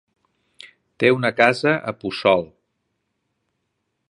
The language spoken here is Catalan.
Té una casa a Puçol.